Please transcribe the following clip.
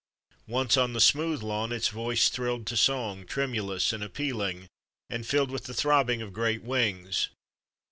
Once on the smooth lawn its voice thrilled to song, tremulous and appealing, and filled with the throbbing of great wings.